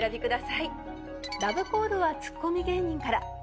ラブコールはツッコミ芸人から。